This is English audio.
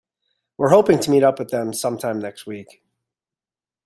We're hoping to meet up with them sometime next week.